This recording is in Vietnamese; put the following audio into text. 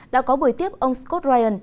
đã có bồi tiếp ông scott ryan